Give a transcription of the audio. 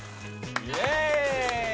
イエーイ！